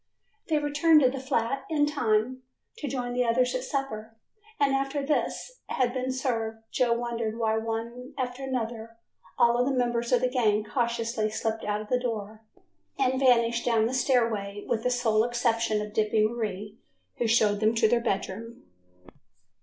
They returned to the flat in time to join the others at supper, and after this had been served Joe wondered why one after another, all the members of the gang cautiously slipped out of the door and vanished down the stairway with the sole exception of "Dippy Marie", who showed them to their bedroom.